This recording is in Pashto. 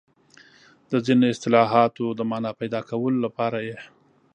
د ځینو اصطلاحګانو د مانا پيدا کولو لپاره یې